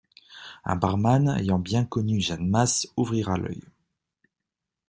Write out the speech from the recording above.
Un barman ayant bien connu Jeanne Mas ouvrira l'œil.